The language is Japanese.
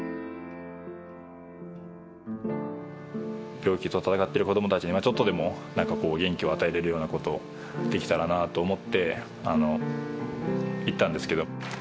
病気と闘ってる子どもたちにちょっとでも元気を与えられるような事をできたらなと思って行ったんですけど。